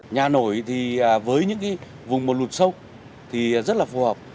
nhà nổi thì với những vùng một lụt sâu thì rất là phù hợp